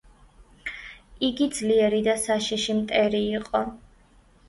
იგი ძლიერი და საშიში მტერი იყო.